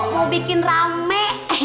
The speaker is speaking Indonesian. mau bikin rame